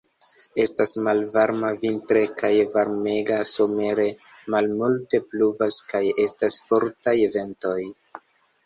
Estas malvarma vintre kaj varmega somere; malmulte pluvas kaj estas fortaj ventoj.